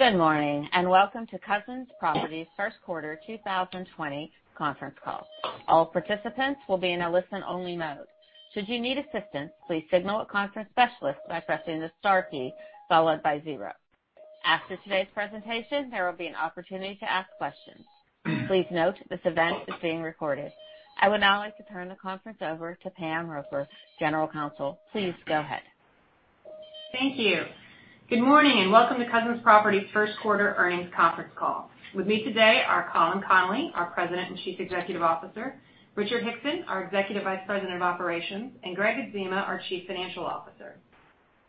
Good morning. Welcome to Cousins Properties' First Quarter 2020 Conference Call. All participants will be in a listen-only mode. Should you need assistance, please signal a conference specialist by pressing the star key followed by zero. After today's presentation, there will be an opportunity to ask questions. Please note, this event is being recorded. I would now like to turn the conference over to Pam Roper, General Counsel. Please go ahead. Thank you. Good morning, and welcome to Cousins Properties' First Quarter Earnings Conference Call. With me today are Colin Connolly, our President and Chief Executive Officer, Richard Hickson, our Executive Vice President of Operations, and Gregg Adzema, our Chief Financial Officer.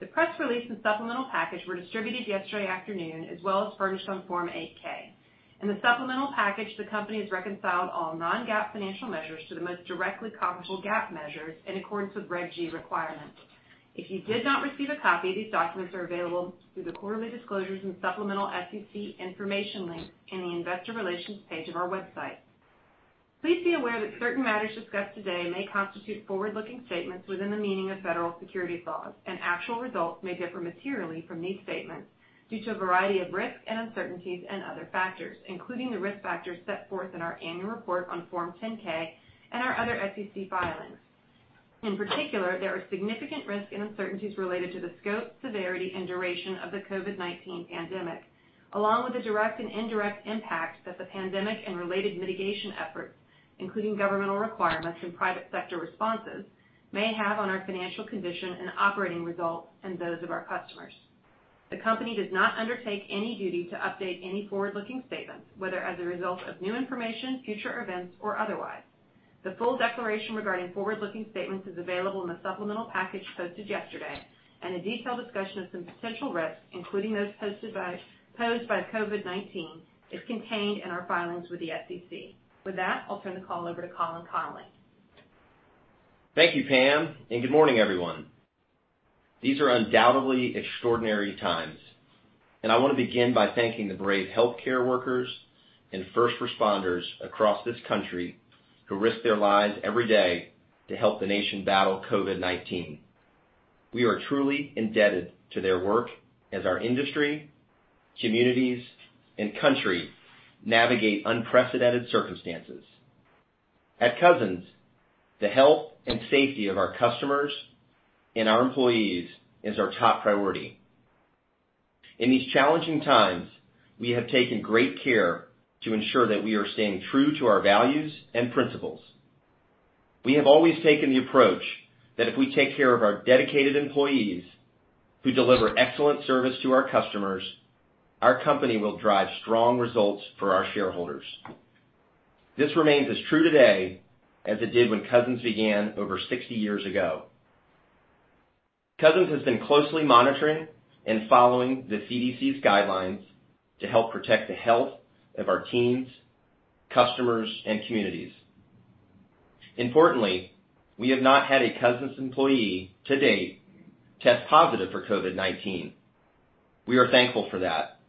The press release and supplemental package were distributed yesterday afternoon as well as furnished on Form 8-K. In the supplemental package, the company has reconciled all non-GAAP financial measures to the most directly comparable GAAP measures in accordance with Regulation G requirements. If you did not receive a copy, these documents are available through the quarterly disclosures and supplemental SEC information link in the investor relations page of our website. Please be aware that certain matters discussed today may constitute forward-looking statements within the meaning of federal securities laws, and actual results may differ materially from these statements due to a variety of risks and uncertainties and other factors, including the risk factors set forth in our annual report on Form 10-K and our other SEC filings. In particular, there are significant risks and uncertainties related to the scope, severity, and duration of the COVID-19 pandemic, along with the direct and indirect impact that the pandemic and related mitigation efforts, including governmental requirements and private sector responses, may have on our financial condition and operating results and those of our customers. The company does not undertake any duty to update any forward-looking statements, whether as a result of new information, future events, or otherwise. The full declaration regarding forward-looking statements is available in the supplemental package posted yesterday, and a detailed discussion of some potential risks, including those posed by COVID-19, is contained in our filings with the SEC. With that, I'll turn the call over to Colin Connolly. Thank you, Pam. Good morning, everyone. These are undoubtedly extraordinary times, and I want to begin by thanking the brave healthcare workers and first responders across this country who risk their lives every day to help the nation battle COVID-19. We are truly indebted to their work as our industry, communities, and country navigate unprecedented circumstances. At Cousins, the health and safety of our customers and our employees is our top priority. In these challenging times, we have taken great care to ensure that we are staying true to our values and principles. We have always taken the approach that if we take care of our dedicated employees who deliver excellent service to our customers, our company will drive strong results for our shareholders. This remains as true today as it did when Cousins began over 60 years ago. Cousins has been closely monitoring and following the CDC's guidelines to help protect the health of our teams, customers, and communities. Importantly, we have not had a Cousins employee to date test positive for COVID-19. We are thankful for that.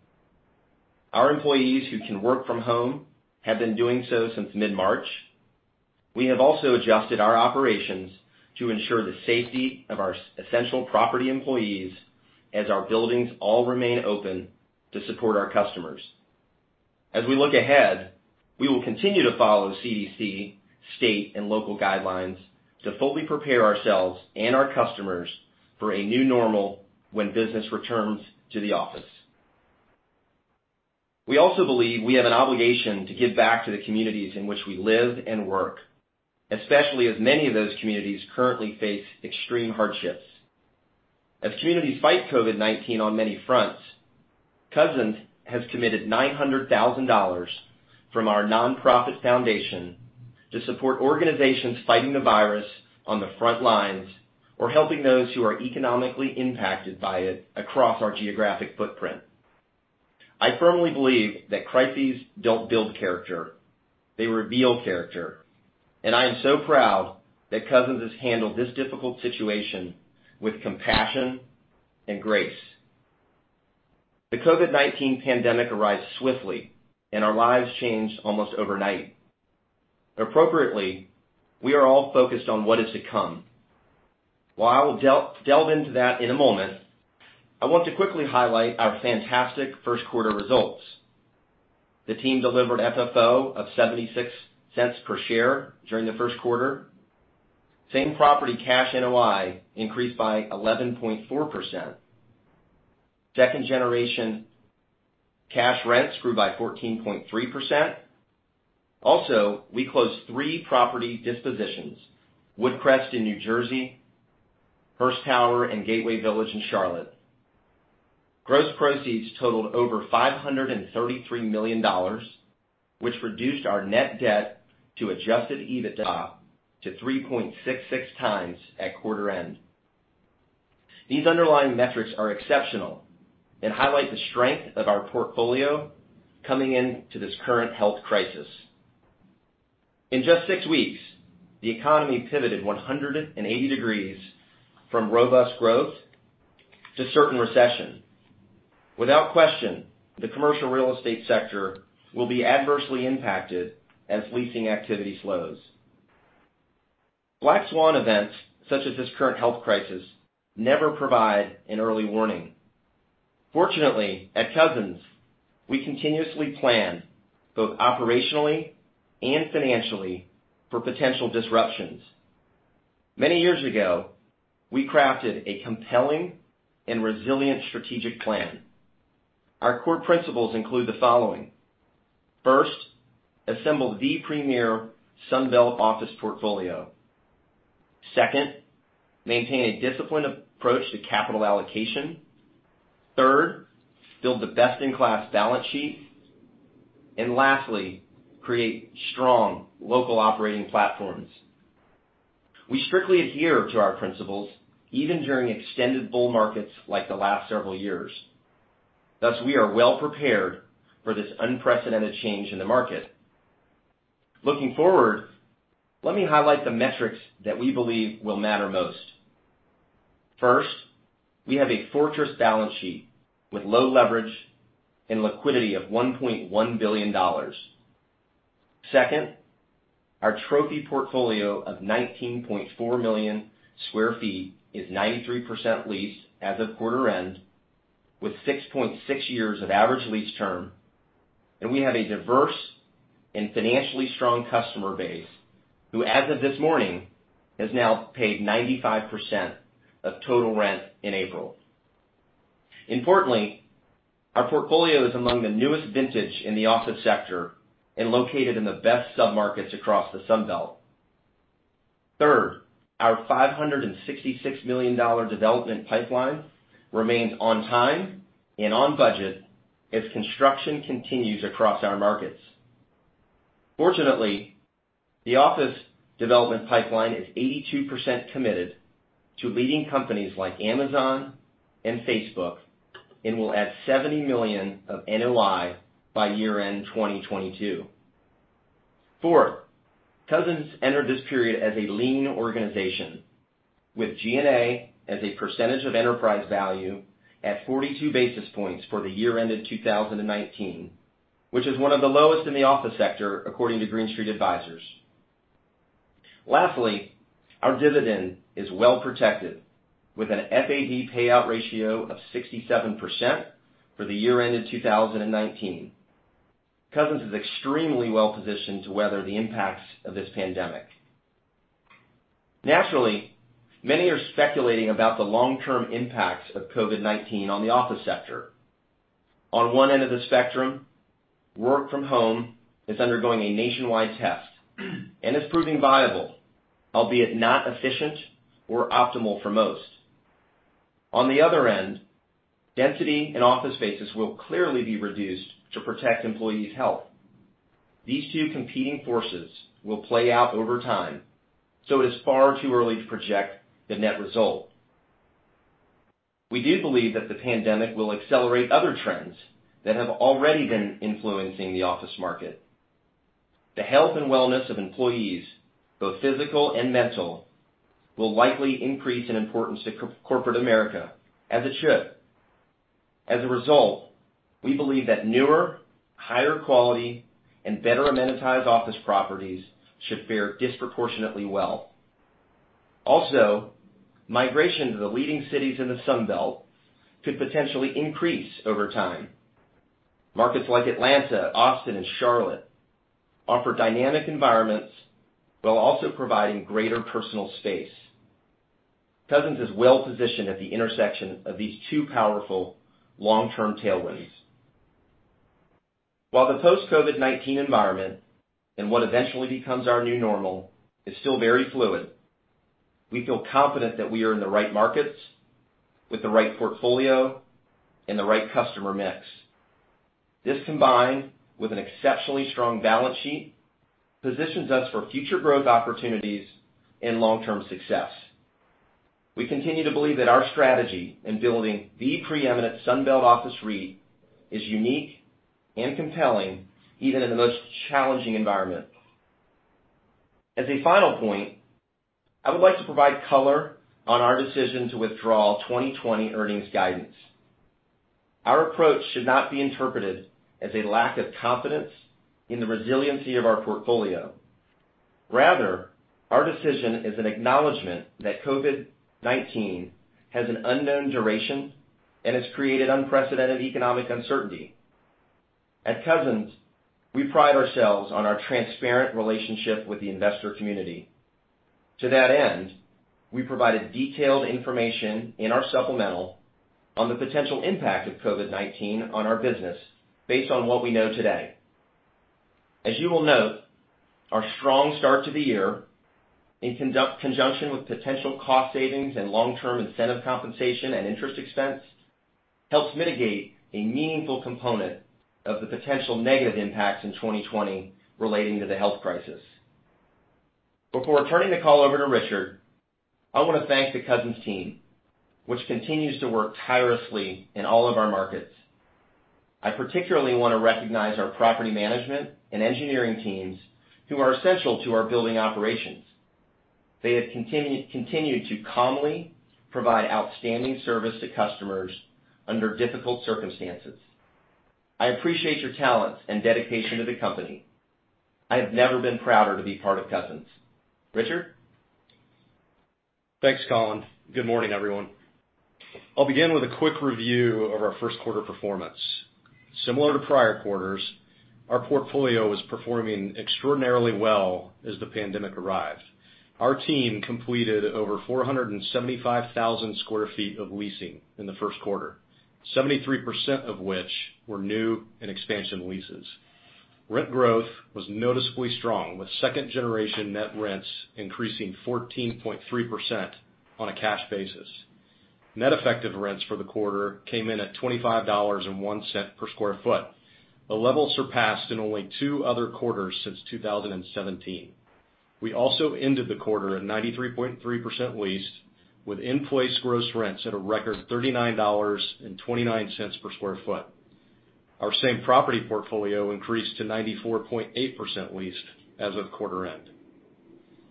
Our employees who can work from home have been doing so since mid-March. We have also adjusted our operations to ensure the safety of our essential property employees as our buildings all remain open to support our customers. We look ahead, we will continue to follow CDC, state, and local guidelines to fully prepare ourselves and our customers for a new normal when business returns to the office. We also believe we have an obligation to give back to the communities in which we live and work, especially as many of those communities currently face extreme hardships. As communities fight COVID-19 on many fronts, Cousins has committed $900,000 from our nonprofit foundation to support organizations fighting the virus on the front lines or helping those who are economically impacted by it across our geographic footprint. I firmly believe that crises don't build character, they reveal character, and I am so proud that Cousins has handled this difficult situation with compassion and grace. The COVID-19 pandemic arrived swiftly, and our lives changed almost overnight. Appropriately, we are all focused on what is to come. While I will delve into that in a moment, I want to quickly highlight our fantastic first quarter results. The team delivered FFO of $0.76 per share during the first quarter. Same-property cash NOI increased by 11.4%. Second generation cash rents grew by 14.3%. Also, we closed three property dispositions, Woodcrest in New Jersey, Hearst Tower, and Gateway Village in Charlotte. Gross proceeds totaled over $533 million, which reduced our net debt to adjusted EBITDA to 3.66x at quarter end. These underlying metrics are exceptional and highlight the strength of our portfolio coming into this current health crisis. In just 180 weeks, the economy pivoted 180 degrees from robust growth to certain recession. Without question, the commercial real estate sector will be adversely impacted as leasing activity slows. Black swan events, such as this current health crisis, never provide an early warning. Fortunately, at Cousins, we continuously plan both operationally and financially for potential disruptions. Many years ago, we crafted a compelling and resilient strategic plan. Our core principles include the following. First, assemble the premier Sunbelt office portfolio. Second, maintain a disciplined approach to capital allocation. Third, build the best-in-class balance sheet. Lastly, create strong local operating platforms. We strictly adhere to our principles even during extended bull markets like the last several years. Thus, we are well prepared for this unprecedented change in the market. Looking forward, let me highlight the metrics that we believe will matter most. First, we have a fortress balance sheet with low leverage and liquidity of $1.1 billion. Second, our trophy portfolio of 19.4 million sq ft is 93% leased as of quarter end, with 6.6 years of average lease term, and we have a diverse and financially strong customer base who, as of this morning, has now paid 95% of total rent in April. Importantly, our portfolio is among the newest vintage in the office sector and located in the best submarkets across the Sun Belt. Third, our $566 million development pipeline remains on time and on budget as construction continues across our markets. Fortunately, the office development pipeline is 82% committed to leading companies like Amazon and Facebook and will add $70 million of NOI by year-end 2022. Fourth, Cousins entered this period as a lean organization with G&A as a percentage of enterprise value at 42 basis points for the year ended 2019, which is one of the lowest in the office sector, according to Green Street Advisors. Lastly, our dividend is well protected with an FAD payout ratio of 67% for the year ended 2019. Cousins is extremely well-positioned to weather the impacts of this pandemic. Naturally, many are speculating about the long-term impacts of COVID-19 on the office sector. On one end of the spectrum, work from home is undergoing a nationwide test and is proving viable, albeit not efficient or optimal for most. On the other end, density in office spaces will clearly be reduced to protect employees' health. These two competing forces will play out over time, so it is far too early to project the net result. We do believe that the pandemic will accelerate other trends that have already been influencing the office market. The health and wellness of employees, both physical and mental, will likely increase in importance to corporate America, as it should. As a result, we believe that newer, higher quality, and better amenitized office properties should fare disproportionately well. Migration to the leading cities in the Sun Belt could potentially increase over time. Markets like Atlanta, Austin, and Charlotte offer dynamic environments while also providing greater personal space. Cousins is well positioned at the intersection of these two powerful long-term tailwinds. While the post-COVID-19 environment and what eventually becomes our new normal is still very fluid, we feel confident that we are in the right markets with the right portfolio and the right customer mix. This combined with an exceptionally strong balance sheet positions us for future growth opportunities and long-term success. We continue to believe that our strategy in building the preeminent Sunbelt office REIT is unique and compelling even in the most challenging environment. As a final point, I would like to provide color on our decision to withdraw 2020 earnings guidance. Our approach should not be interpreted as a lack of confidence in the resiliency of our portfolio. Rather, our decision is an acknowledgement that COVID-19 has an unknown duration and has created unprecedented economic uncertainty. At Cousins, we pride ourselves on our transparent relationship with the investor community. To that end, we provided detailed information in our supplemental on the potential impact of COVID-19 on our business based on what we know today. As you will note, our strong start to the year in conjunction with potential cost savings and long-term incentive compensation and interest expense helps mitigate a meaningful component of the potential negative impacts in 2020 relating to the health crisis. Before turning the call over to Richard, I want to thank the Cousins team, which continues to work tirelessly in all of our markets. I particularly want to recognize our property management and engineering teams who are essential to our building operations. They have continued to calmly provide outstanding service to customers under difficult circumstances. I appreciate your talents and dedication to the company. I have never been prouder to be part of Cousins. Richard? Thanks, Colin. Good morning, everyone. I'll begin with a quick review of our first quarter performance. Similar to prior quarters, our portfolio was performing extraordinarily well as the pandemic arrived. Our team completed over 475,000 sq ft of leasing in the first quarter, 73% of which were new and expansion leases. Rent growth was noticeably strong, with second-generation net rents increasing 14.3% on a cash basis. Net effective rents for the quarter came in at $25.01 per square foot, a level surpassed in only two other quarters since 2017. We also ended the quarter at 93.3% leased, with in-place gross rents at a record $39.29 per square foot. Our same property portfolio increased to 94.8% leased as of quarter end.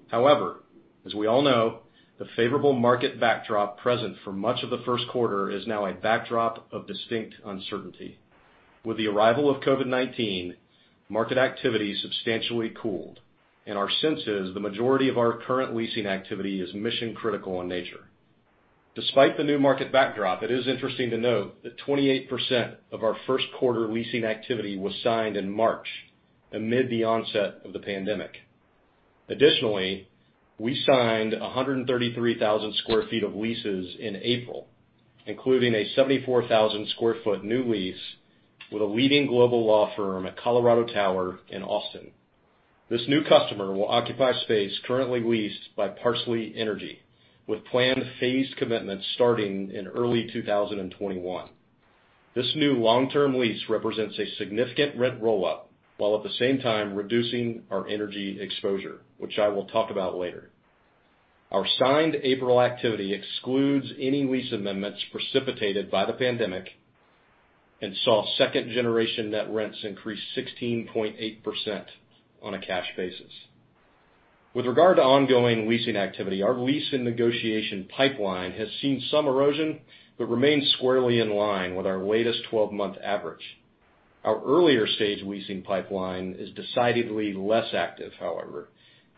However, as we all know, the favorable market backdrop present for much of the first quarter is now a backdrop of distinct uncertainty. With the arrival of COVID-19, market activity substantially cooled, and our sense is the majority of our current leasing activity is mission-critical in nature. Despite the new market backdrop, it is interesting to note that 28% of our first quarter leasing activity was signed in March amid the onset of the pandemic. Additionally, we signed 133,000 sq ft of leases in April, including a 74,000 sq ft new lease with a leading global law firm at Colorado Tower in Austin. This new customer will occupy space currently leased by Parsley Energy, with planned phased commitments starting in early 2021. This new long-term lease represents a significant rent rollout, while at the same time reducing our energy exposure, which I will talk about later. Our signed April activity excludes any lease amendments precipitated by the pandemic and saw second-generation net rents increase 16.8% on a cash basis. With regard to ongoing leasing activity, our lease and negotiation pipeline has seen some erosion but remains squarely in line with our latest 12-month average. Our earlier stage leasing pipeline is decidedly less active, however,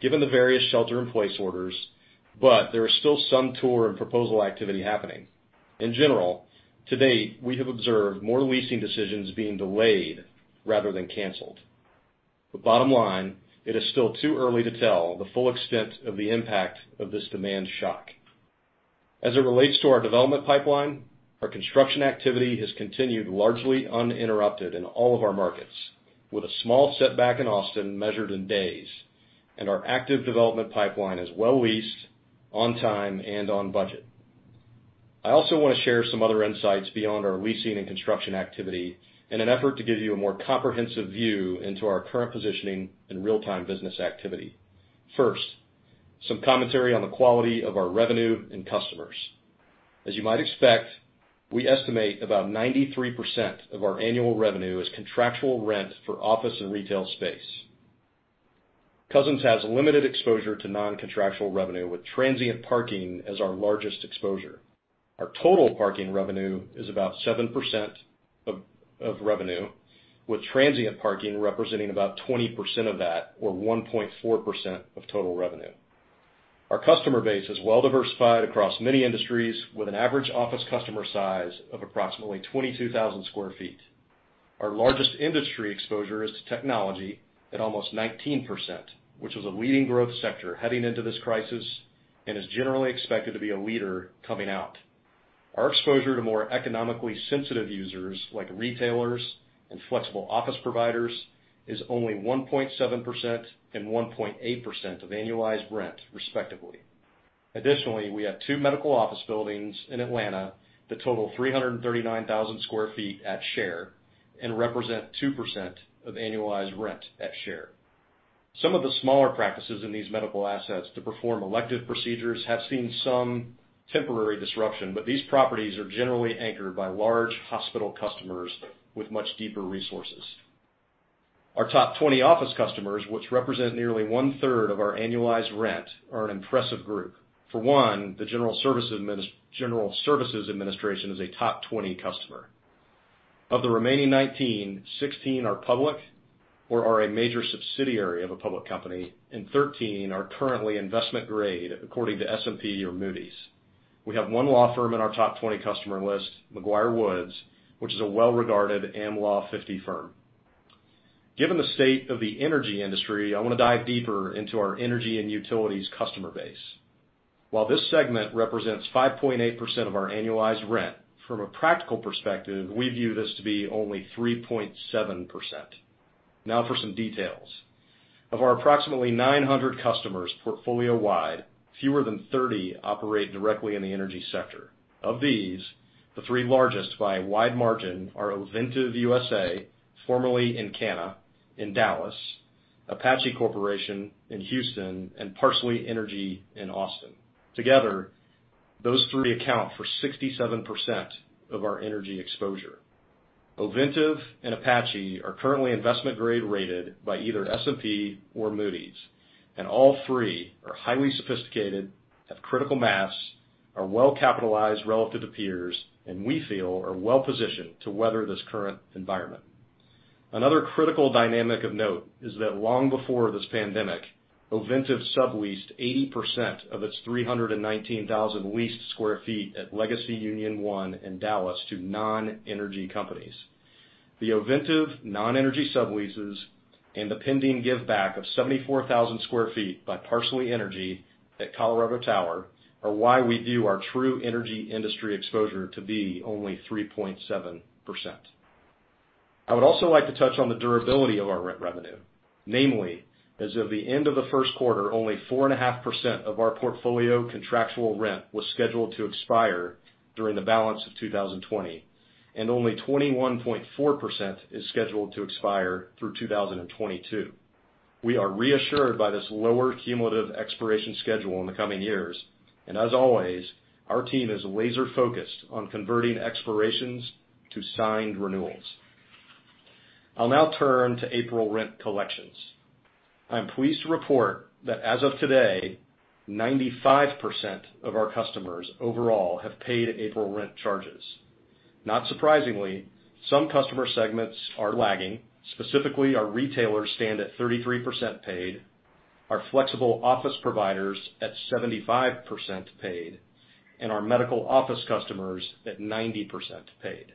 given the various shelter-in-place orders, there is still some tour and proposal activity happening. In general, to date, we have observed more leasing decisions being delayed rather than canceled. Bottom line, it is still too early to tell the full extent of the impact of this demand shock. As it relates to our development pipeline, our construction activity has continued largely uninterrupted in all of our markets, with a small setback in Austin measured in days, our active development pipeline is well leased, on time, and on budget. I also want to share some other insights beyond our leasing and construction activity in an effort to give you a more comprehensive view into our current positioning and real-time business activity. First, some commentary on the quality of our revenue and customers. As you might expect, we estimate about 93% of our annual revenue is contractual rent for office and retail space. Cousins has limited exposure to non-contractual revenue, with transient parking as our largest exposure. Our total parking revenue is about 7% of revenue, with transient parking representing about 20% of that, or 1.4% of total revenue. Our customer base is well diversified across many industries, with an average office customer size of approximately 22,000 sq ft. Our largest industry exposure is to technology at almost 19%, which was a leading growth sector heading into this crisis and is generally expected to be a leader coming out. Our exposure to more economically sensitive users like retailers and flexible office providers is only 1.7% and 1.8% of annualized rent, respectively. Additionally, we have two medical office buildings in Atlanta that total 339,000 sq ft at share and represent 2% of annualized rent at share. Some of the smaller practices in these medical assets to perform elective procedures have seen some temporary disruption, but these properties are generally anchored by large hospital customers with much deeper resources. Our top 20 office customers, which represent nearly one-third of our annualized rent, are an impressive group. For one, the General Services Administration is a top 20 customer. Of the remaining 19, 16 are public or are a major subsidiary of a public company, and 13 are currently investment grade, according to S&P or Moody's. We have one law firm in our top 20 customer list, McGuireWoods, which is a well-regarded Am Law 50 firm. Given the state of the energy industry, I want to dive deeper into our energy and utilities customer base. While this segment represents 5.8% of our annualized rent, from a practical perspective, we view this to be only 3.7%. Now for some details. Of our approximately 900 customers portfolio-wide, fewer than 30 operate directly in the energy sector. Of these, the three largest by a wide margin are Ovintiv USA, formerly Encana, in Dallas, Apache Corporation in Houston, and Parsley Energy in Austin. Together, those three account for 67% of our energy exposure. Ovintiv and Apache are currently investment grade rated by either S&P or Moody's, and all three are highly sophisticated, have critical mass, are well-capitalized relative to peers, and we feel are well-positioned to weather this current environment. Another critical dynamic of note is that long before this pandemic, Ovintiv subleased 80% of its 319,000 leased square feet at Legacy Union One in Dallas to non-energy companies. The Ovintiv non-energy subleases and the pending give back of 74,000 sq ft by Parsley Energy at Colorado Tower are why we view our true energy industry exposure to be only 3.7%. I would also like to touch on the durability of our rent revenue. Namely, as of the end of the first quarter, only 4.5% of our portfolio contractual rent was scheduled to expire during the balance of 2020, and only 21.4% is scheduled to expire through 2022. We are reassured by this lower cumulative expiration schedule in the coming years, and as always, our team is laser-focused on converting expirations to signed renewals. I'll now turn to April rent collections. I'm pleased to report that as of today, 95% of our customers overall have paid April rent charges. Not surprisingly, some customer segments are lagging. Specifically, our retailers stand at 33% paid, our flexible office providers at 75% paid, and our medical office customers at 90% paid.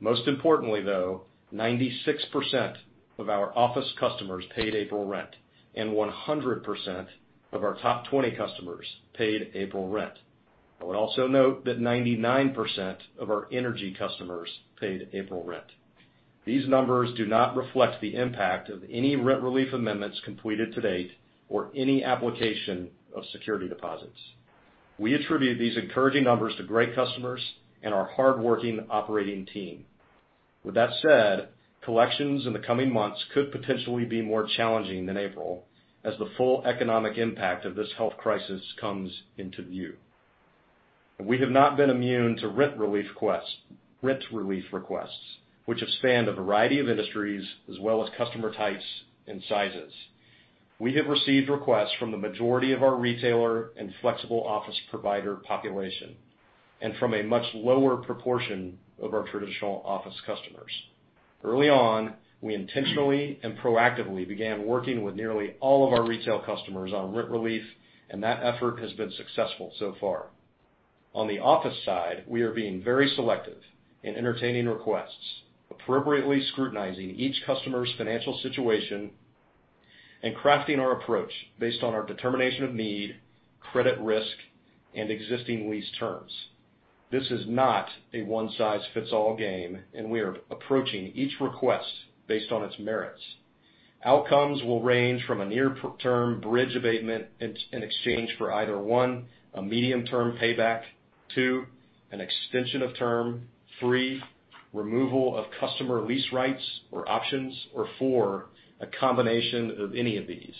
Most importantly, though, 96% of our office customers paid April rent, and 100% of our top 20 customers paid April rent. I would also note that 99% of our energy customers paid April rent. These numbers do not reflect the impact of any rent relief amendments completed to date or any application of security deposits. We attribute these encouraging numbers to great customers and our hardworking operating team. With that said, collections in the coming months could potentially be more challenging than April, as the full economic impact of this health crisis comes into view. We have not been immune to rent relief requests, which have spanned a variety of industries as well as customer types and sizes. We have received requests from the majority of our retailer and flexible office provider population and from a much lower proportion of our traditional office customers. Early on, we intentionally and proactively began working with nearly all of our retail customers on rent relief, and that effort has been successful so far. On the office side, we are being very selective in entertaining requests, appropriately scrutinizing each customer's financial situation, and crafting our approach based on our determination of need, credit risk, and existing lease terms. This is not a one-size-fits-all game, and we are approaching each request based on its merits. Outcomes will range from a near-term bridge abatement in exchange for either, one, a medium-term payback, two, an extension of term, three, removal of customer lease rights or options, or four, a combination of any of these.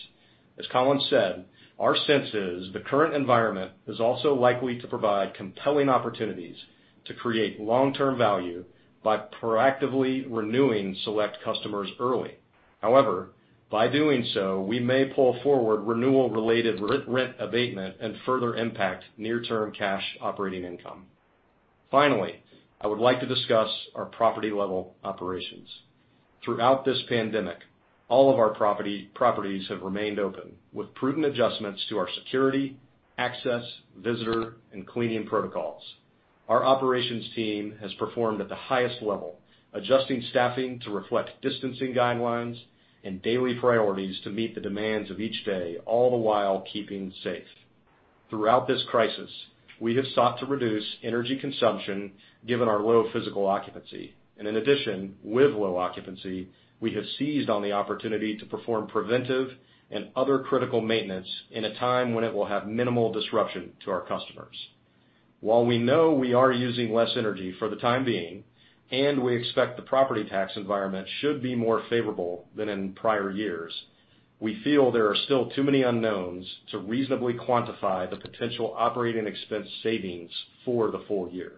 As Colin said, our sense is the current environment is also likely to provide compelling opportunities to create long-term value by proactively renewing select customers early. However, by doing so, we may pull forward renewal-related rent abatement and further impact near-term cash operating income. Finally, I would like to discuss our property-level operations. Throughout this pandemic, all of our properties have remained open, with prudent adjustments to our security, access, visitor, and cleaning protocols. Our operations team has performed at the highest level, adjusting staffing to reflect distancing guidelines and daily priorities to meet the demands of each day, all the while keeping safe. Throughout this crisis, we have sought to reduce energy consumption, given our low physical occupancy, and in addition, with low occupancy, we have seized on the opportunity to perform preventive and other critical maintenance in a time when it will have minimal disruption to our customers. While we know we are using less energy for the time being, and we expect the property tax environment should be more favorable than in prior years, we feel there are still too many unknowns to reasonably quantify the potential operating expense savings for the full year.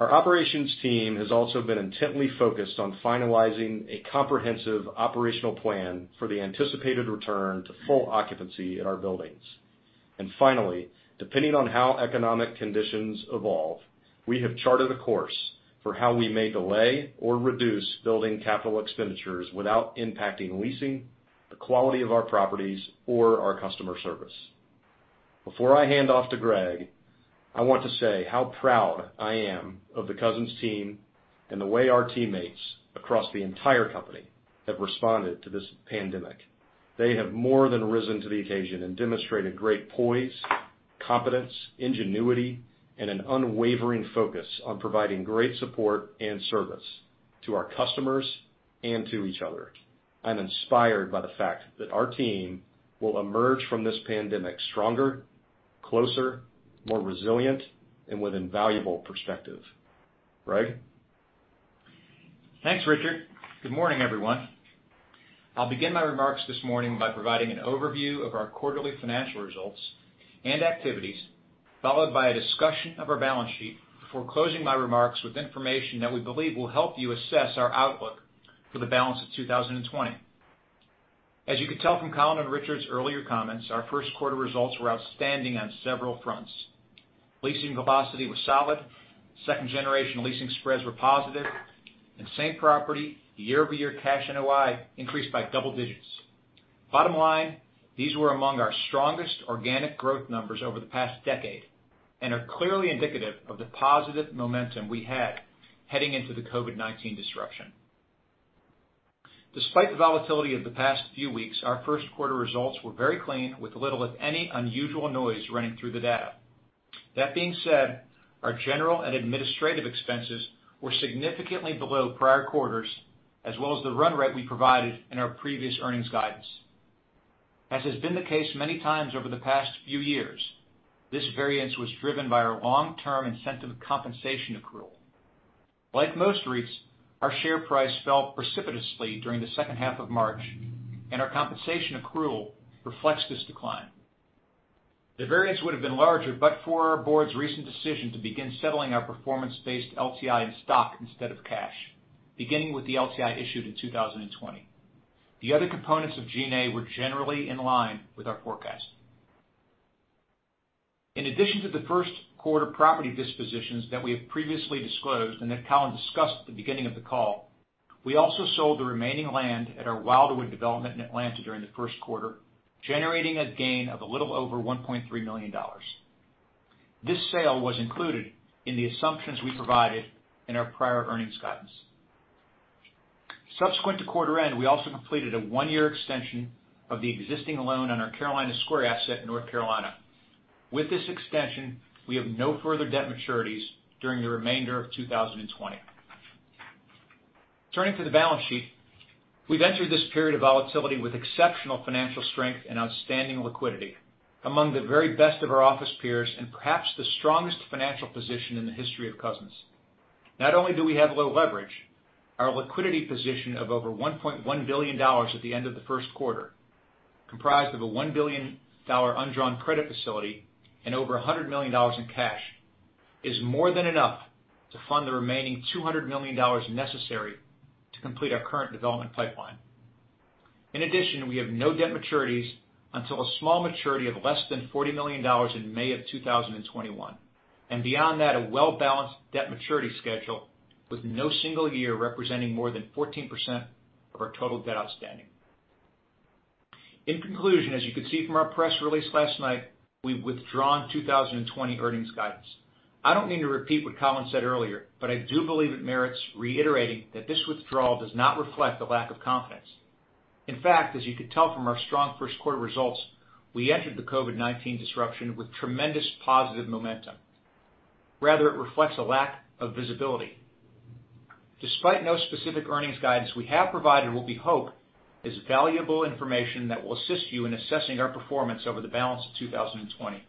Our operations team has also been intently focused on finalizing a comprehensive operational plan for the anticipated return to full occupancy in our buildings. Finally, depending on how economic conditions evolve, we have charted a course for how we may delay or reduce building capital expenditures without impacting leasing, the quality of our properties, or our customer service. Before I hand off to Gregg, I want to say how proud I am of the Cousins team and the way our teammates across the entire company have responded to this pandemic. They have more than risen to the occasion and demonstrated great poise, competence, ingenuity, and an unwavering focus on providing great support and service to our customers and to each other. I'm inspired by the fact that our team will emerge from this pandemic stronger, closer, more resilient, and with invaluable perspective. Gregg? Thanks, Richard. Good morning, everyone. I'll begin my remarks this morning by providing an overview of our quarterly financial results and activities, followed by a discussion of our balance sheet before closing my remarks with information that we believe will help you assess our outlook for the balance of 2020. As you could tell from Colin and Richard's earlier comments, our first quarter results were outstanding on several fronts. Leasing velocity was solid. Second generation leasing spreads were positive. Same property, year-over-year cash NOI increased by double digits. Bottom line, these were among our strongest organic growth numbers over the past decade and are clearly indicative of the positive momentum we had heading into the COVID-19 disruption. Despite the volatility of the past few weeks, our first quarter results were very clean, with little of any unusual noise running through the data. That being said, our general and administrative expenses were significantly below prior quarters, as well as the run rate we provided in our previous earnings guidance. As has been the case many times over the past few years, this variance was driven by our long-term incentive compensation accrual. Like most REITs, our share price fell precipitously during the second half of March, and our compensation accrual reflects this decline. The variance would've been larger but for our board's recent decision to begin settling our performance-based LTI in stock instead of cash, beginning with the LTI issued in 2020. The other components of G&A were generally in line with our forecast. In addition to the first quarter property dispositions that we have previously disclosed and that Colin discussed at the beginning of the call, we also sold the remaining land at our Wilderwood development in Atlanta during the first quarter, generating a gain of a little over $1.3 million. This sale was included in the assumptions we provided in our prior earnings guidance. Subsequent to quarter end, we also completed a one-year extension of the existing loan on our Carolina Square asset in North Carolina. With this extension, we have no further debt maturities during the remainder of 2020. Turning to the balance sheet, we've entered this period of volatility with exceptional financial strength and outstanding liquidity among the very best of our office peers. Perhaps the strongest financial position in the history of Cousins. Not only do we have low leverage, our liquidity position of over $1.1 billion at the end of the first quarter, comprised of a $1 billion undrawn credit facility and over $100 million in cash, is more than enough to fund the remaining $200 million necessary to complete our current development pipeline. In addition, we have no debt maturities until a small maturity of less than $40 million in May of 2021. Beyond that, a well-balanced debt maturity schedule with no single year representing more than 14% of our total debt outstanding. In conclusion, as you could see from our press release last night, we've withdrawn 2020 earnings guidance. I don't mean to repeat what Colin said earlier, but I do believe it merits reiterating that this withdrawal does not reflect a lack of confidence. In fact, as you could tell from our strong first quarter results, we entered the COVID-19 disruption with tremendous positive momentum. It reflects a lack of visibility. Despite no specific earnings guidance, we have provided what we hope is valuable information that will assist you in assessing our performance over the balance of 2020.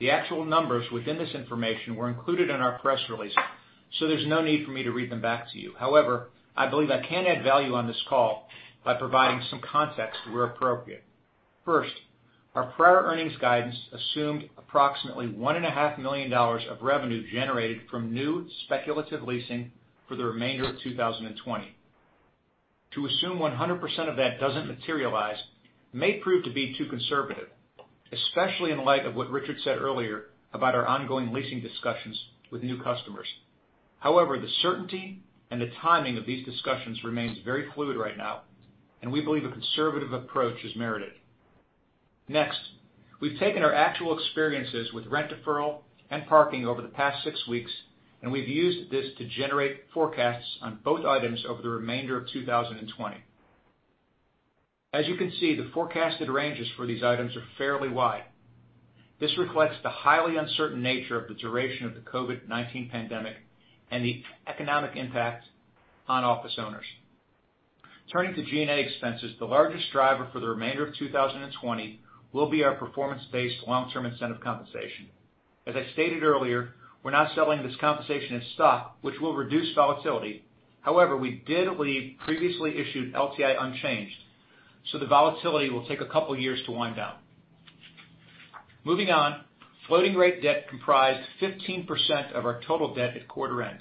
The actual numbers within this information were included in our press release. There's no need for me to read them back to you. I believe I can add value on this call by providing some context where appropriate. First, our prior earnings guidance assumed approximately $1.5 million of revenue generated from new speculative leasing for the remainder of 2020. To assume 100% of that doesn't materialize may prove to be too conservative, especially in light of what Richard said earlier about our ongoing leasing discussions with new customers. The certainty and the timing of these discussions remains very fluid right now, and we believe a conservative approach is merited. Next, we've taken our actual experiences with rent deferral and parking over the past six weeks, and we've used this to generate forecasts on both items over the remainder of 2020. As you can see, the forecasted ranges for these items are fairly wide. This reflects the highly uncertain nature of the duration of the COVID-19 pandemic and the economic impact on office owners. Turning to G&A expenses, the largest driver for the remainder of 2020 will be our performance-based long-term incentive compensation. As I stated earlier, we're now settling this compensation in stock, which will reduce volatility. We did leave previously issued LTI unchanged. The volatility will take a couple years to wind down. Moving on, floating rate debt comprised 15% of our total debt at quarter end.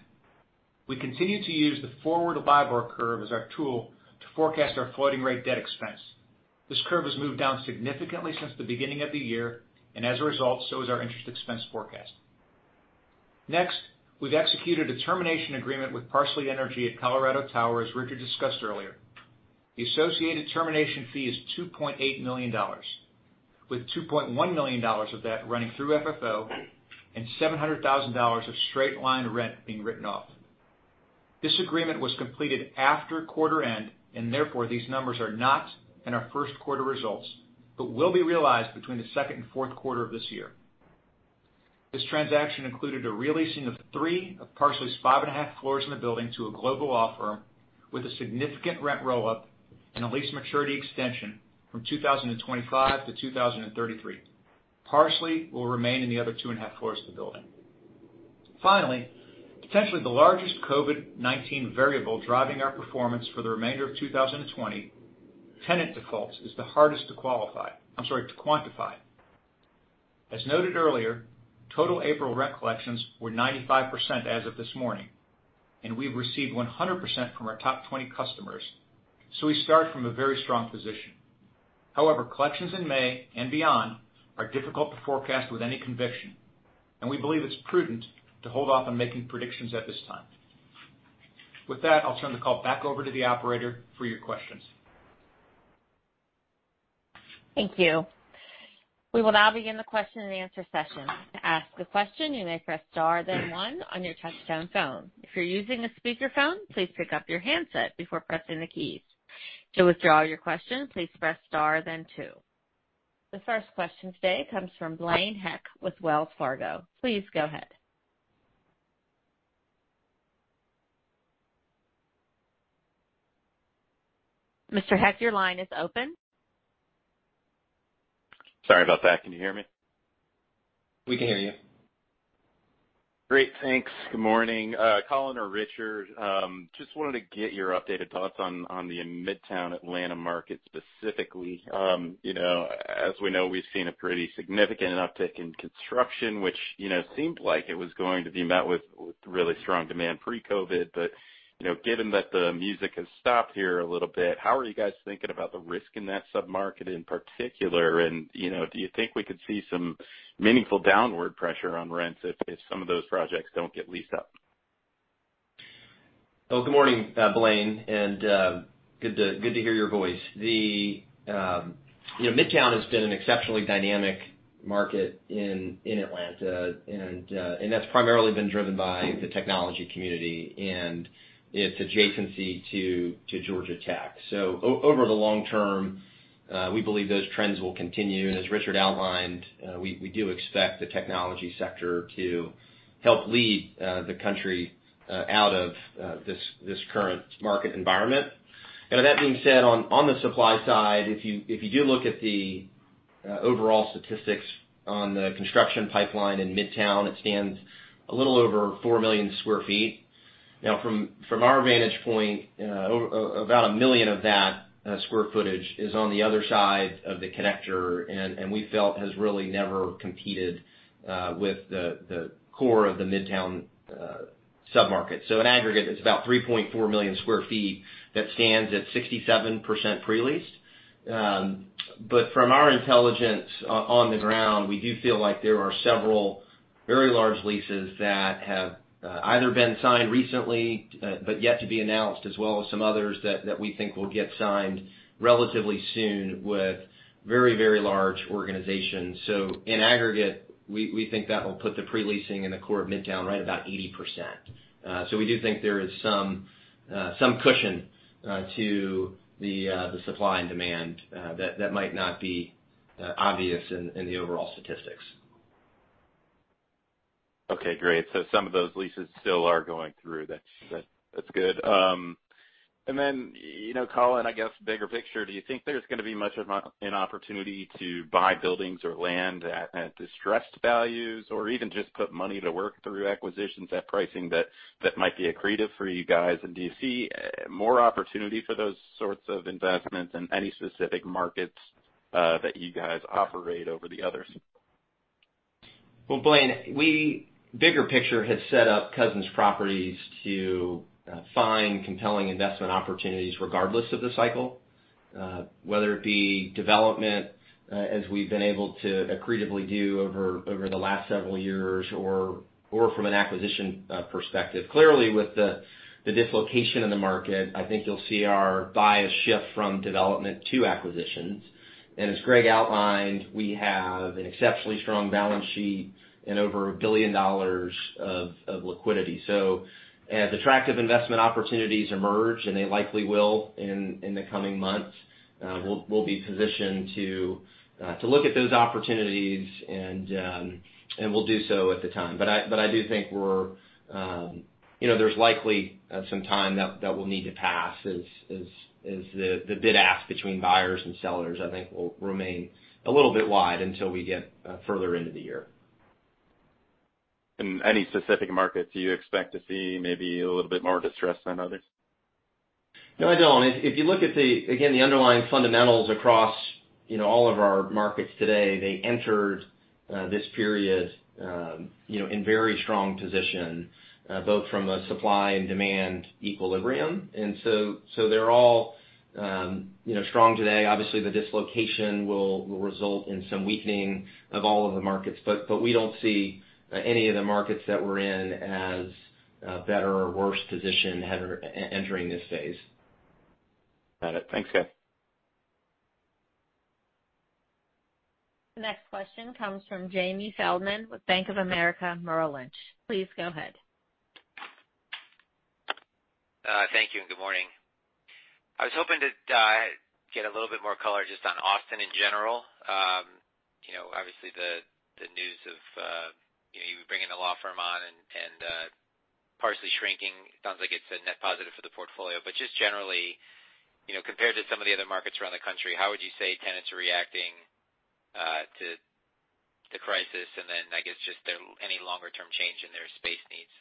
We continue to use the forward LIBOR curve as our tool to forecast our floating rate debt expense. This curve has moved down significantly since the beginning of the year. As a result, so has our interest expense forecast. Next, we've executed a termination agreement with Parsley Energy at Colorado Tower, as Richard discussed earlier. The associated termination fee is $2.8 million, with $2.1 million of that running through FFO and $700,000 of straight-line rent being written off. This agreement was completed after quarter end. Therefore, these numbers are not in our first quarter results, but will be realized between the second and fourth quarter of this year. This transaction included a re-leasing of three of Parsley's five and a half floors in the building to a global law firm with a significant rent roll-up and a lease maturity extension from 2025 to 2033. Parsley will remain in the other two and a half floors of the building. Finally, potentially the largest COVID-19 variable driving our performance for the remainder of 2020, tenant defaults, is the hardest to qualify. I'm sorry, to quantify. As noted earlier, total April rent collections were 95% as of this morning, and we've received 100% from our top 20 customers. We start from a very strong position. However, collections in May and beyond are difficult to forecast with any conviction, and we believe it's prudent to hold off on making predictions at this time. With that, I'll turn the call back over to the operator for your questions. Thank you. We will now begin the question and answer session. To ask a question, you may press star then one on your touch-tone phone. If you're using a speakerphone, please pick up your handset before pressing the keys. To withdraw your question, please press star then two. The first question today comes from Blaine Heck with Wells Fargo. Please go ahead. Mr. Heck, your line is open. Sorry about that. Can you hear me? We can hear you. Great, thanks. Good morning. Colin or Richard, just wanted to get your updated thoughts on the Midtown Atlanta market specifically. As we know, we've seen a pretty significant uptick in construction, which seemed like it was going to be met with really strong demand pre-COVID. Given that the music has stopped here a little bit, how are you guys thinking about the risk in that sub-market in particular, and do you think we could see some meaningful downward pressure on rents if some of those projects don't get leased up? Good morning, Blaine, and good to hear your voice. Midtown has been an exceptionally dynamic market in Atlanta, that's primarily been driven by the technology community and its adjacency to Georgia Tech. Over the long term, we believe those trends will continue, as Richard outlined, we do expect the technology sector to help lead the country out of this current market environment. That being said, on the supply side, if you do look at the overall statistics on the construction pipeline in Midtown, it stands a little over 4 million square feet. From our vantage point, about 1 million of that square footage is on the other side of the connector, and we felt has really never competed with the core of the Midtown sub-market. In aggregate, it's about 3.4 million square feet that stands at 67% pre-leased. From our intelligence on the ground, we do feel like there are several very large leases that have either been signed recently but yet to be announced, as well as some others that we think will get signed relatively soon with very large organizations. In aggregate, we think that will put the pre-leasing in the core of Midtown right about 80%. We do think there is some cushion to the supply and demand that might not be obvious in the overall statistics. Okay, great. Some of those leases still are going through. That's good. Colin, I guess bigger picture, do you think there's going to be much of an opportunity to buy buildings or land at distressed values or even just put money to work through acquisitions at pricing that might be accretive for you guys? Do you see more opportunity for those sorts of investments in any specific markets that you guys operate over the others? Well, Blaine, bigger picture has set up Cousins Properties to find compelling investment opportunities regardless of the cycle, whether it be development, as we've been able to accretively do over the last several years or from an acquisition perspective. Clearly, with the dislocation in the market, I think you'll see our bias shift from development to acquisitions. As Gregg outlined, we have an exceptionally strong balance sheet and over $1 billion of liquidity. As attractive investment opportunities emerge, and they likely will in the coming months, we'll be positioned to look at those opportunities, and we'll do so at the time. I do think there's likely some time that will need to pass as the bid ask between buyers and sellers, I think, will remain a little bit wide until we get further into the year. In any specific market, do you expect to see maybe a little bit more distress than others? No, I don't. If you look at, again, the underlying fundamentals across all of our markets today, they entered this period in very strong position, both from a supply and demand equilibrium. They're all strong today. Obviously, the dislocation will result in some weakening of all of the markets. We don't see any of the markets that we're in as a better or worse position entering this phase. Got it. Thanks, guys. The next question comes from Jamie Feldman with Bank of America Merrill Lynch. Please go ahead. Thank you. Good morning. I was hoping to get a little bit more color just on Austin in general. Obviously, the news of you bringing the law firm on and shrinking sounds like it's a net positive for the portfolio. Just generally, compared to some of the other markets around the country, how would you say tenants are reacting to the crisis? I guess, just any longer-term change in their space needs?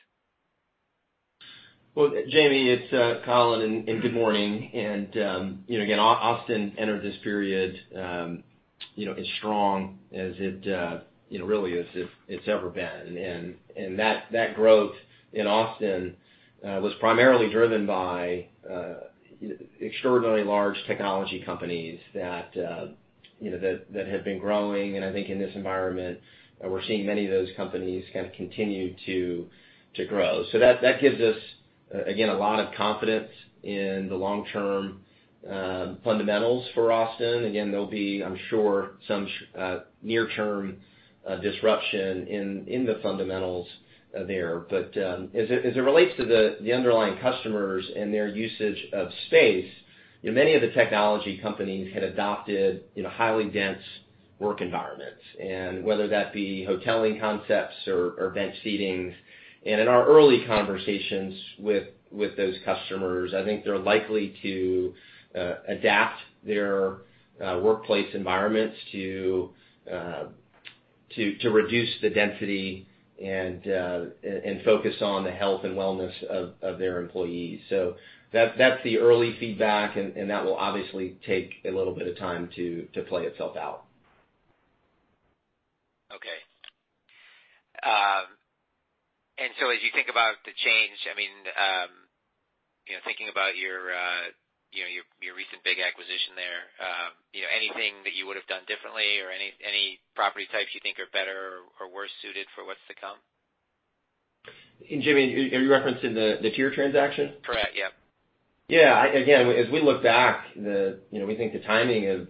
Well, Jamie, it's Colin, good morning. Again, Austin entered this period as strong as it really has ever been. That growth in Austin was primarily driven by extraordinarily large technology companies that have been growing. I think in this environment, we're seeing many of those companies kind of continue to grow. That gives us, again, a lot of confidence in the long-term fundamentals for Austin. Again, there'll be, I'm sure, some near-term disruption in the fundamentals there. As it relates to the underlying customers and their usage of space, many of the technology companies had adopted highly dense work environments, and whether that be hoteling concepts or bench seating. In our early conversations with those customers, I think they're likely to adapt their workplace environments to reduce the density and focus on the health and wellness of their employees. That's the early feedback, and that will obviously take a little bit of time to play itself out. Okay. As you think about the change, thinking about your recent big acquisition there, anything that you would've done differently or any property types you think are better or worse suited for what's to come? Jamie, are you referencing the TIER transaction? Correct. Yep. Again, as we look back, we think the timing of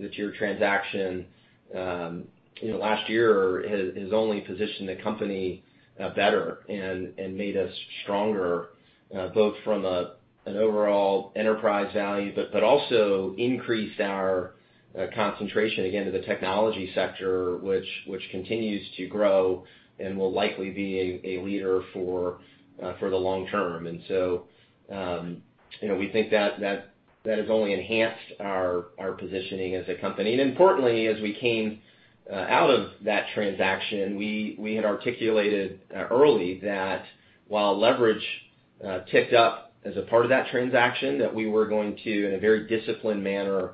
the TIER transaction last year has only positioned the company better and made us stronger, both from an overall enterprise value but also increased our concentration, again, to the technology sector, which continues to grow and will likely be a leader for the long term. We think that has only enhanced our positioning as a company. Importantly, as we came out of that transaction, we had articulated early that while leverage ticked up as a part of that transaction, that we were going to, in a very disciplined manner,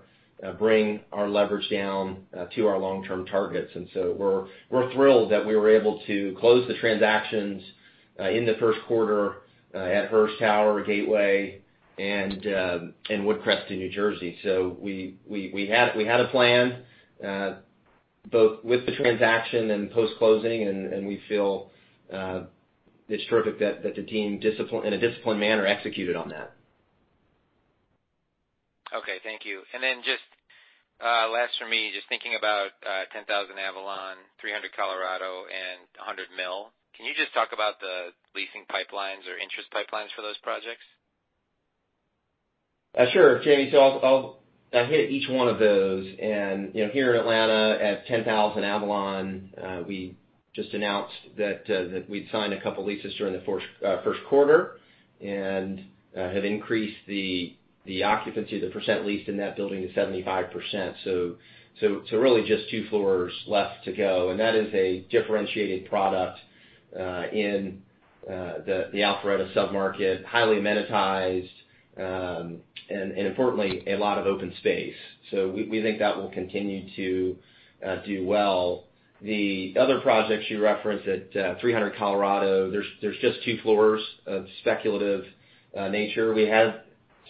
bring our leverage down to our long-term targets. We're thrilled that we were able to close the transactions in the first quarter at Hearst Tower, Gateway, and Woodcrest in New Jersey. We had a plan, both with the transaction and post-closing, and we feel it's terrific that the team, in a disciplined manner, executed on that. Okay, thank you. Just last for me, just thinking about 10,000 Avalon, 300 Colorado, and 100 Mill. Can you just talk about the leasing pipelines or interest pipelines for those projects? Sure, Jamie. I'll hit each one of those. Here in Atlanta at 10,000 Avalon, we just announced that we'd signed a couple leases during the first quarter and have increased the occupancy, the percent leased in that building, to 75%. Really just two floors left to go, and that is a differentiated product in the Alpharetta sub-market, highly amenitized, and importantly, a lot of open space. We think that will continue to do well. The other projects you referenced at 300 Colorado, there's just two floors of speculative nature. We have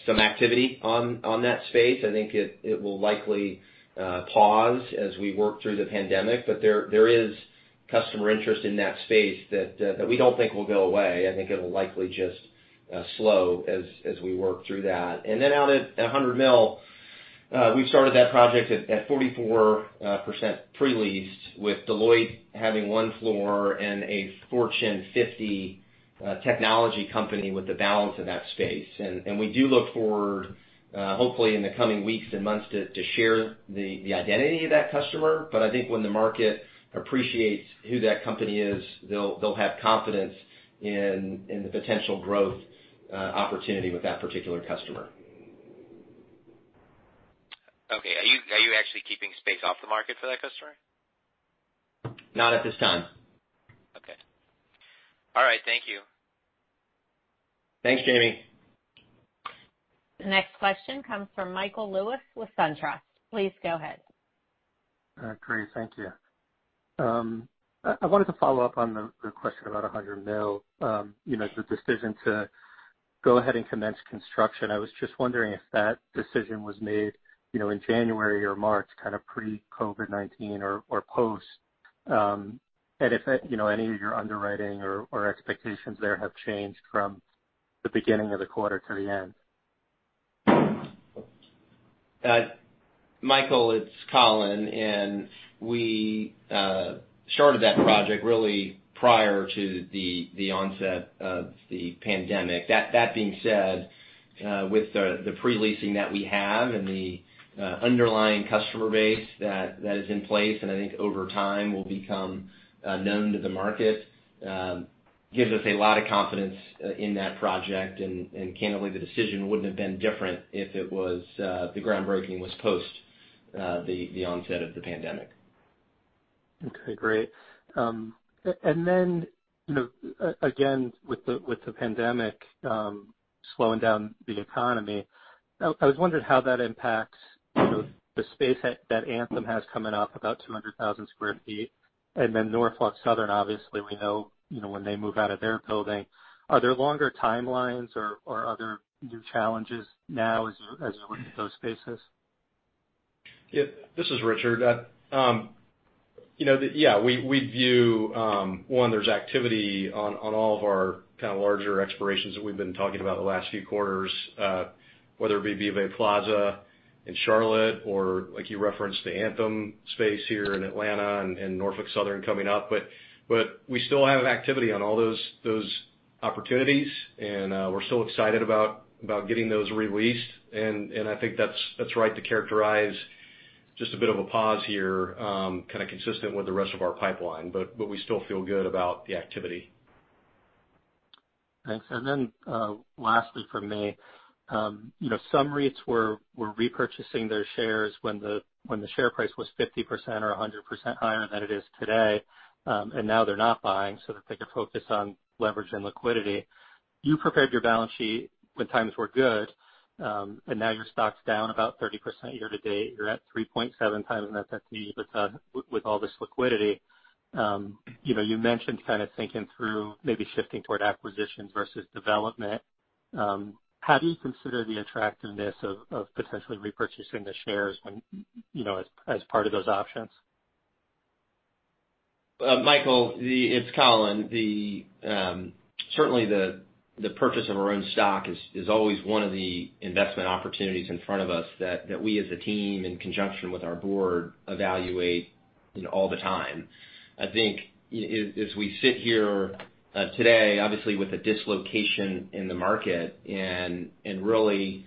some activity on that space. I think it will likely pause as we work through the pandemic, but there is customer interest in that space that we don't think will go away. I think it'll likely just slow as we work through that. Out at 100 Mill, we've started that project at 44% pre-leased with Deloitte having one floor and a Fortune 50 technology company with the balance of that space. We do look forward, hopefully in the coming weeks and months to share the identity of that customer. I think when the market appreciates who that company is, they'll have confidence in the potential growth opportunity with that particular customer. Okay. Are you actually keeping space off the market for that customer? Not at this time. Okay. All right. Thank you. Thanks, Jamie. The next question comes from Michael Lewis with SunTrust. Please go ahead. Great. Thank you. I wanted to follow up on the question about 100 Mill, the decision to go ahead and commence construction. I was just wondering if that decision was made in January or March, kind of pre COVID-19 or post. If any of your underwriting or expectations there have changed from the beginning of the quarter to the end. Michael, it's Colin, and we started that project really prior to the onset of the pandemic. That being said, with the pre-leasing that we have and the underlying customer base that is in place, and I think over time will become known to the market, gives us a lot of confidence in that project. Candidly, the decision wouldn't have been different if the groundbreaking was post the onset of the pandemic. Okay, great. Again, with the pandemic slowing down the economy, I was wondering how that impacts the space that Anthem has coming up, about 200,000 sq ft, and then Norfolk Southern, obviously we know, when they move out of their building. Are there longer timelines or are there new challenges now as you look at those spaces? This is Richard. Yeah. We view, there's activity on all of our kind of larger expirations that we've been talking about the last few quarters. Whether it be Vivint Plaza in Charlotte, or like you referenced, the Anthem space here in Atlanta, and Norfolk Southern coming up. We still have activity on all those opportunities, and we're still excited about getting those re-leased. I think that's right to characterize just a bit of a pause here, kind of consistent with the rest of our pipeline. We still feel good about the activity. Thanks. Then, lastly from me, some REITs were repurchasing their shares when the share price was 50% or 100% higher than it is today. Now they're not buying so that they could focus on leverage and liquidity. You prepared your balance sheet when times were good, and now your stock's down about 30% year to date. You're at 3.7x net debt to EBITDA with all this liquidity. You mentioned kind of thinking through maybe shifting toward acquisitions versus development. How do you consider the attractiveness of potentially repurchasing the shares as part of those options? Michael, it's Colin. Certainly the purchase of our own stock is always one of the investment opportunities in front of us that we as a team, in conjunction with our board, evaluate all the time. I think as we sit here today, obviously with a dislocation in the market and really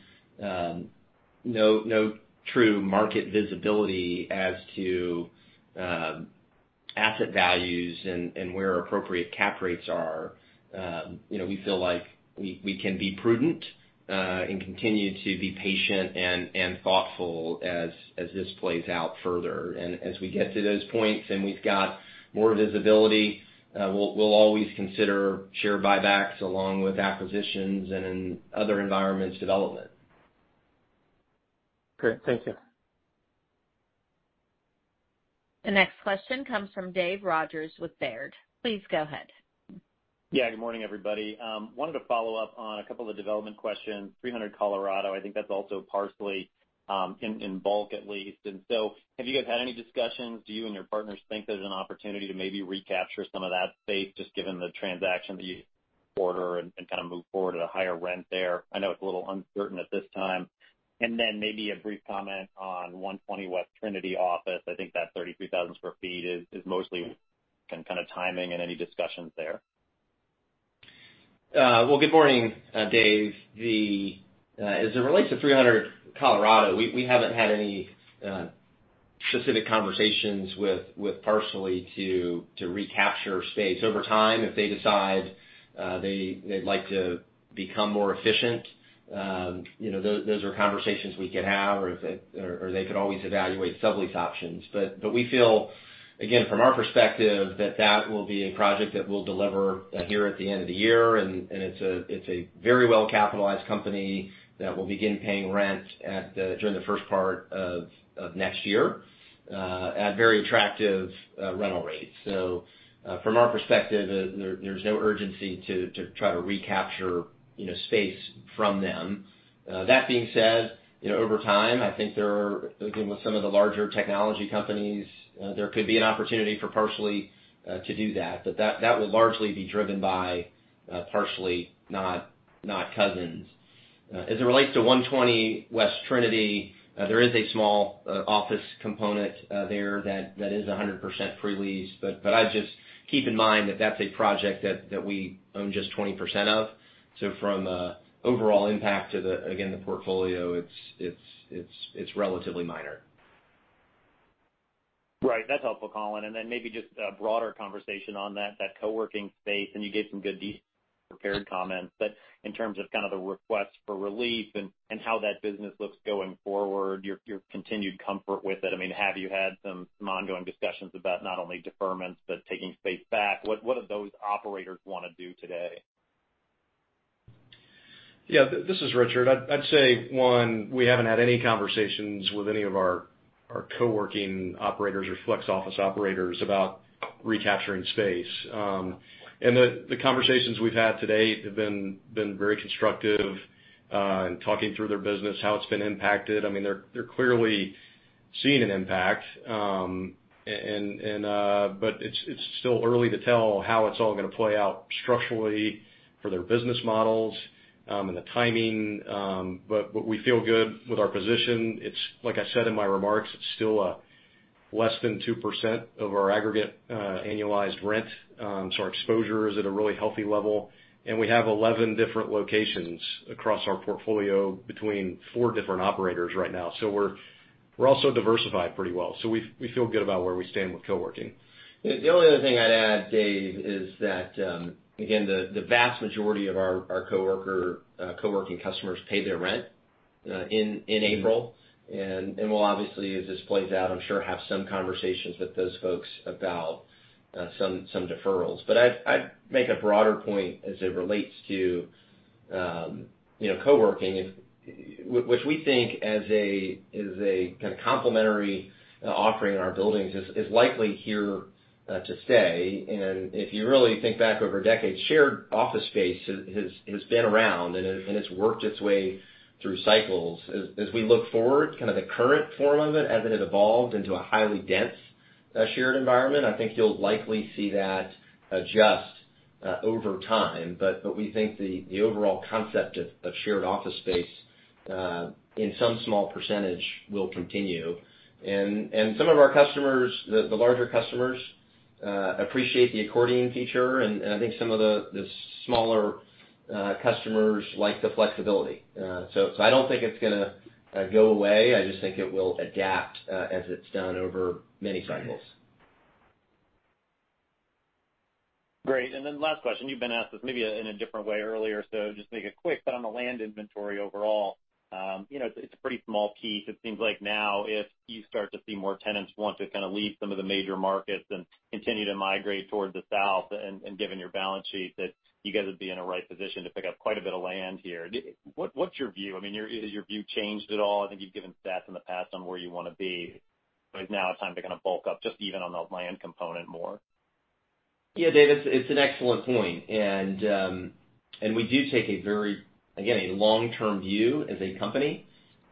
no true market visibility as to asset values and where appropriate cap rates are. We feel like we can be prudent and continue to be patient and thoughtful as this plays out further. As we get to those points and we've got more visibility, we'll always consider share buybacks along with acquisitions and in other environments, development. Great. Thank you. The next question comes from Dave Rodgers with Baird. Please go ahead. Yeah. Good morning, everybody. Wanted to follow up on a couple of development questions. 300 Colorado, I think that's also Parsley, in bulk at least. Have you guys had any discussions? Do you and your partners think there's an opportunity to maybe recapture some of that space just given the transaction that you order and kind of move forward at a higher rent there? I know it's a little uncertain at this time. Maybe a brief comment on 120 West Trinity office, I think that 33,000 sq ft is mostly kind of timing and any discussions there. Well, good morning, Dave. As it relates to 300 Colorado, we haven't had any specific conversations with Parsley to recapture space. Over time, if they decide they'd like to become more efficient, those are conversations we could have, or they could always evaluate sublease options. We feel, again, from our perspective, that that will be a project that we'll deliver here at the end of the year. It's a very well-capitalized company that will begin paying rent during the first part of next year at very attractive rental rates. From our perspective, there's no urgency to try to recapture space from them. That being said, over time, I think there are, again, with some of the larger technology companies, there could be an opportunity for Parsley to do that. That would largely be driven by Parsley, not Cousins. As it relates to 120 West Trinity, there is a small office component there that is 100% pre-leased. I'd just keep in mind that that's a project that we own just 20% of. From an overall impact to the, again, the portfolio, it's relatively minor. Right. That's helpful, Colin. Then maybe just a broader conversation on that co-working space, and you gave some good prepared comments. In terms of kind of the requests for relief and how that business looks going forward, your continued comfort with it, have you had some ongoing discussions about not only deferments, but taking space back? What do those operators want to do today? Yeah, this is Richard. I'd say, one, we haven't had any conversations with any of our co-working operators or flex office operators about recapturing space. The conversations we've had to date have been very constructive in talking through their business, how it's been impacted. They're clearly seeing an impact. It's still early to tell how it's all going to play out structurally for their business models and the timing. We feel good with our position. Like I said in my remarks, it's still less than 2% of our aggregate annualized rent. Our exposure is at a really healthy level. We have 11 different locations across our portfolio between four different operators right now. We're We're also diversified pretty well, so we feel good about where we stand with co-working. The only other thing I'd add, Dave, is that, again, the vast majority of our co-working customers pay their rent in April. We'll obviously, as this plays out, I'm sure, have some conversations with those folks about some deferrals. I'd make a broader point as it relates to co-working, which we think as a kind of complementary offering in our buildings, is likely here to stay. If you really think back over decades, shared office space has been around, and it's worked its way through cycles. As we look forward, kind of the current form of it, as it has evolved into a highly dense, shared environment, I think you'll likely see that adjust over time. We think the overall concept of shared office space, in some small percentage, will continue. Some of our customers, the larger customers, appreciate the accordion feature, and I think some of the smaller customers like the flexibility. I don't think it's going to go away. I just think it will adapt as it's done over many cycles. Great. Last question. You've been asked this maybe in a different way earlier, just make it quick, on the land inventory overall, it's a pretty small piece. It seems like now, if you start to see more tenants want to kind of leave some of the major markets and continue to migrate towards the south, given your balance sheet, that you guys would be in a right position to pick up quite a bit of land here. What's your view? I mean, has your view changed at all? I think you've given stats in the past on where you want to be. Is now a time to kind of bulk up just even on the land component more? Yeah, Dave, it's an excellent point, and we do take, again, a long-term view as a company.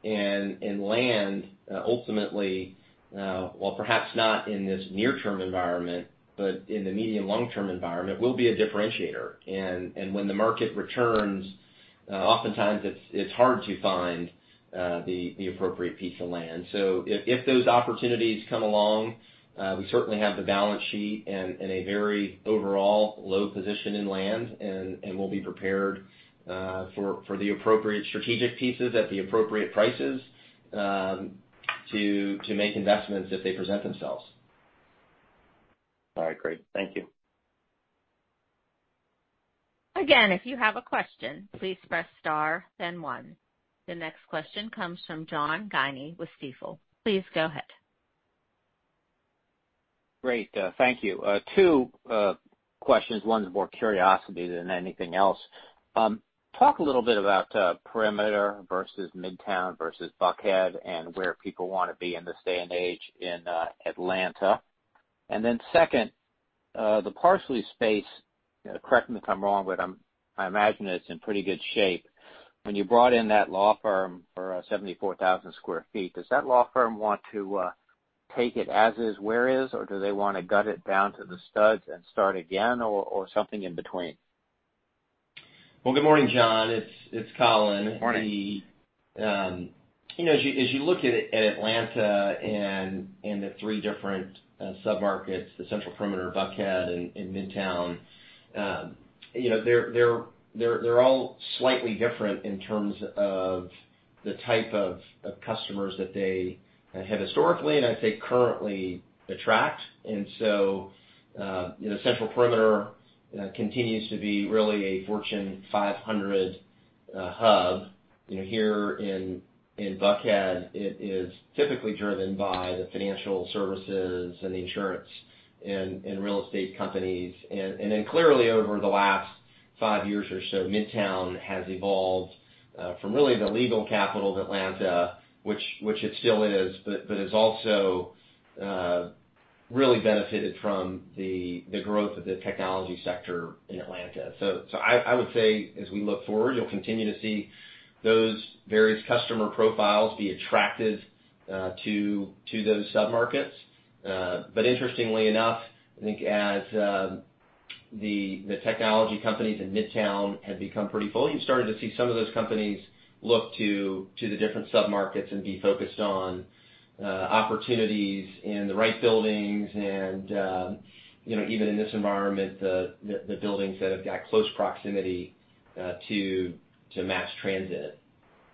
Land, ultimately, while perhaps not in this near-term environment, but in the medium, long-term environment, will be a differentiator. When the market returns, oftentimes it's hard to find the appropriate piece of land. If those opportunities come along, we certainly have the balance sheet and a very overall low position in land, and we'll be prepared for the appropriate strategic pieces at the appropriate prices to make investments if they present themselves. All right, great. Thank you. Again, if you have a question, please press star, then one. The next question comes from John Guinee with Stifel. Please go ahead. Great. Thank you. Two questions. One's more curiosity than anything else. Talk a little bit about Perimeter versus Midtown versus Buckhead and where people want to be in this day and age in Atlanta. Second, the Parsley space, correct me if I'm wrong, but I imagine it's in pretty good shape. When you brought in that law firm for 74,000 sq ft, does that law firm want to take it as is, where is, or do they want to gut it down to the studs and start again, or something in between? Well, good morning, John. It's Colin. Morning. The three different sub-markets, the Central Perimeter, Buckhead, and Midtown, they're all slightly different in terms of the type of customers that they have historically and I'd say currently attract. Central Perimeter continues to be really a Fortune 500 hub. Here in Buckhead, it is typically driven by the financial services and the insurance and real estate companies. Clearly over the last five years or so, Midtown has evolved from really the legal capital of Atlanta, which it still is, but has also really benefited from the growth of the technology sector in Atlanta. I would say as we look forward, you'll continue to see those various customer profiles be attractive to those sub-markets. Interestingly enough, I think as the technology companies in Midtown have become pretty full, you've started to see some of those companies look to the different sub-markets and be focused on opportunities in the right buildings and, even in this environment, the buildings that have got close proximity to mass transit.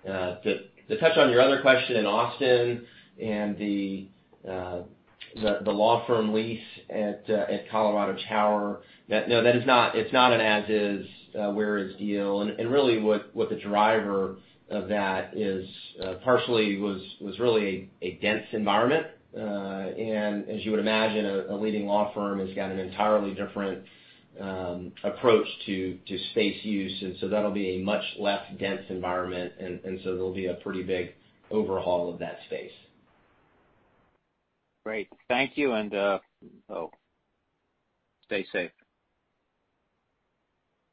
To touch on your other question, in Austin and the law firm lease at Colorado Tower, no, it's not an as is, where is deal. Really, what the driver of that is, Parsley was really a dense environment. As you would imagine, a leading law firm has got an entirely different approach to space use. So that'll be a much less dense environment, and so there'll be a pretty big overhaul of that space. Great. Thank you, and stay safe.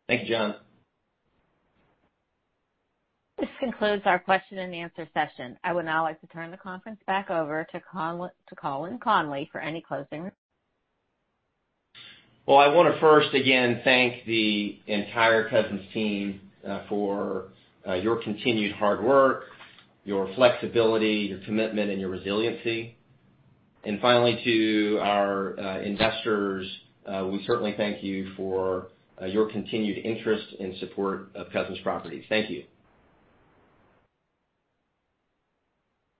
Thank you, John. This concludes our question-and-answer session. I would now like to turn the conference back over to Colin Connolly for any closing remarks. Well, I want to first, again, thank the entire Cousins team for your continued hard work, your flexibility, your commitment, and your resiliency. Finally, to our investors, we certainly thank you for your continued interest and support of Cousins Properties. Thank you.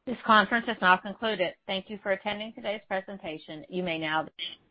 This conference is now concluded. Thank you for attending today's presentation. You may now disconnect.